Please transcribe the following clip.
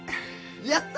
やった！